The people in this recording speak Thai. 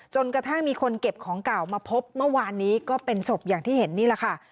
จนกระทั่งมีคนเก็บของเก่ามาพบเมื่อวานนี้ก็เป็นศพอย่างที่เห็นนี่แหละค่ะ